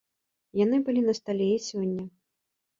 Яны былі на стале і сёння.